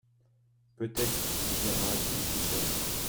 Peut-être viendra-t-il qui sait ?